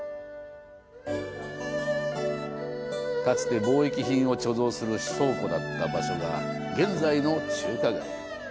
かつて貿易品を貯蔵する倉庫だった場所が現在の中華街。